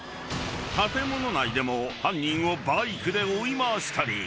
［建物内でも犯人をバイクで追い回したり］